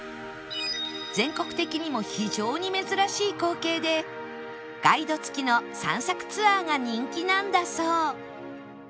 全国的にも非常に珍しい光景でガイド付きの散策ツアーが人気なんだそう